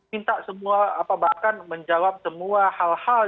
minta semua apa bahkan menjawab semua hal hal